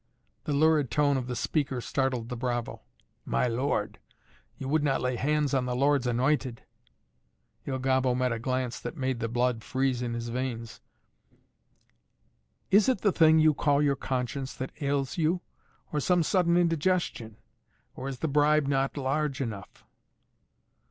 The lurid tone of the speaker startled the bravo. "My lord, you would not lay hands on the Lord's anointed?" Il Gobbo met a glance that made the blood freeze in his veins. "Is it the thing you call your conscience that ails you, or some sudden indigestion? Or is the bribe not large enough?"